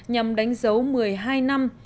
nhằm đánh dấu một mươi hai năm